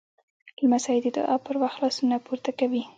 لمسی د دعا پر وخت لاسونه پورته کوي.